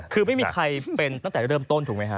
คือไม่มีใครเป็นตั้งแต่เริ่มต้นถูกไหมฮะ